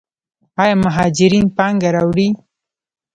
آیا مهاجرین پانګه راوړي؟